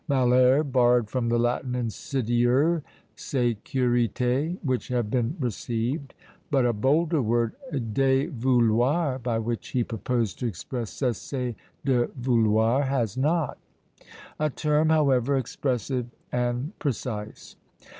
Malherbe borrowed from the Latin, insidieux, sécurité, which have been received; but a bolder word, dévouloir, by which he proposed to express cesser de vouloir, has not. A term, however, expressive and precise.